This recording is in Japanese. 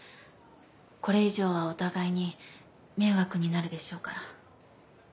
これ以上はお互いに迷惑になるでしょうから。